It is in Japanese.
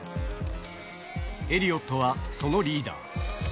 エリオットはそのリーダー。